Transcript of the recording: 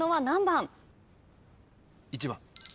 １番。